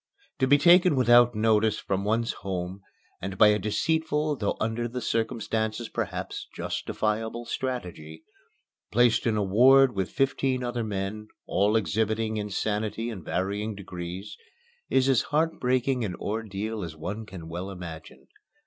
To be taken without notice from one's home and by a deceitful, though under the circumstances perhaps justifiable strategy, placed in a ward with fifteen other men, all exhibiting insanity in varying degrees, is as heartbreaking an ordeal as one can well imagine.